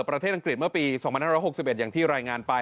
อังกฤษเมื่อปี๒๕๖๑อย่างที่รายงานไป